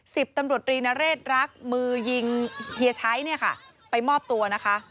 สิบตำรวจรีนเรศรักมือยิงเฮียชัยเนี่ยค่ะไปมอบตัวนะคะ